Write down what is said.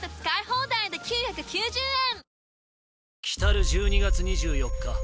来る１２月２４日